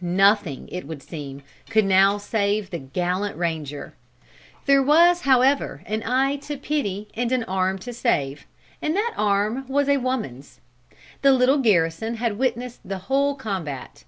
Nothing, it would seem, could now save the gallant ranger. There was, however, an eye to pity and an arm to save, and that arm was a woman's. The little garrison had witnessed the whole combat.